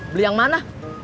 beli yang mana